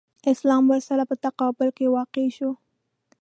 اسلام ورسره په تقابل کې واقع شو.